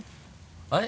あれ？